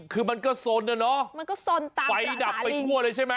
กูไพช่วยด้วย